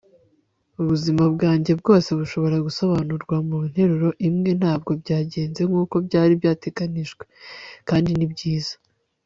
ubuzima bwanjye bwose bushobora gusobanurwa mu nteruro imwe ntabwo byagenze nk'uko byari byateganijwe, kandi ni byiza